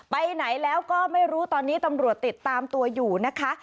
ไปไหนแล้วก็ไม่รู้ตอนนี้ตำรวจติดตามตัวอยู่นะคะ